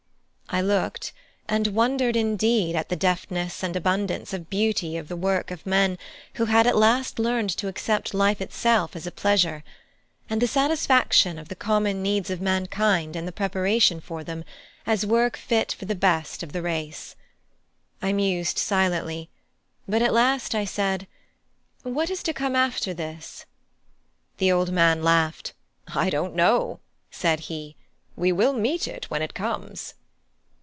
I looked, and wondered indeed at the deftness and abundance of beauty of the work of men who had at last learned to accept life itself as a pleasure, and the satisfaction of the common needs of mankind and the preparation for them, as work fit for the best of the race. I mused silently; but at last I said "What is to come after this?" The old man laughed. "I don't know," said he; "we will meet it when it comes."